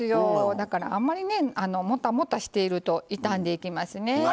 だからあんまりねもたもたしていると傷んでいきますね。